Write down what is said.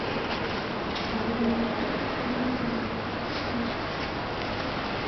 Tagu kole memoche kebe tukul.